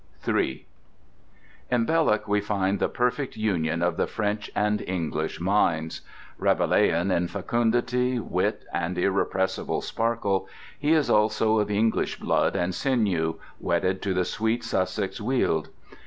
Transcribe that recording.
III In Belloc we find the perfect union of the French and English minds. Rabelaisian in fecundity, wit, and irrepressible sparkle, he is also of English blood and sinew, wedded to the sweet Sussex weald.